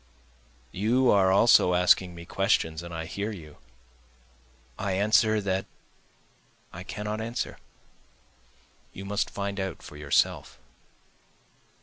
You are also asking me questions and I hear you, I answer that I cannot answer, you must find out for yourself.